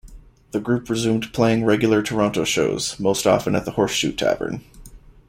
The group resumed playing regular Toronto shows, most often at the Horseshoe Tavern.